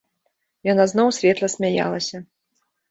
Яна зноў светла смяялася.